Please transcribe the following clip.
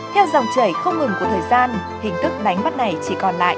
theo dòng chảy không ngừng của thời gian hình thức đánh bắt này chỉ còn lại